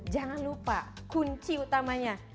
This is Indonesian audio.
jangan lupa kunci utamanya